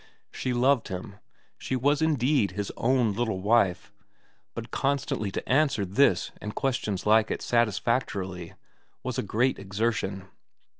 She loved him, she was indeed his own little wife, but constantly to answer this and questions like it satisfactorily was a great exertion.